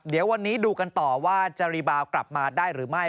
เดี๋ยววันนี้ดูกันต่อว่าจะรีบาวกลับมาได้หรือไม่